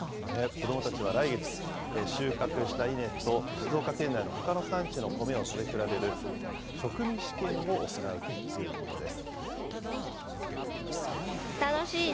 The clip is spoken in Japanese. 子どもたちは来月、収穫した稲と静岡県内のほかの産地の米を食べ比べる、食味試験を行うということです。